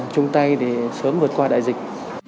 chung tay để sớm vượt qua đại dịch